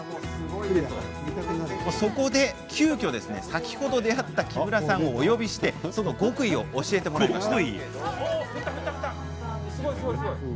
そこで急きょ、先ほど出会った木村さんをお呼びしてその極意を教えてもらいました。